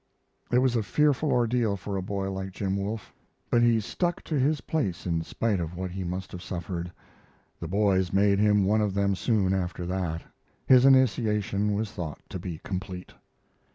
It was a fearful ordeal for a boy like Jim Wolfe, but he stuck to his place in spite of what he must have suffered. The boys made him one of them soon after that. His initiation was thought to be complete.